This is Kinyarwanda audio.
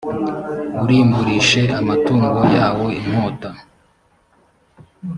urimburishe amatungo yawo inkota